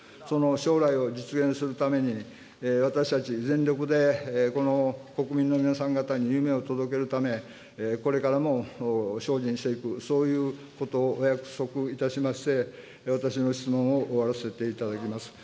その将来を実現するために、私たち全力でこの国民の皆さん方に夢を届けるため、これからも精進していく、そういうことをお約束いたしまして、私の質問を終わらせていただきます。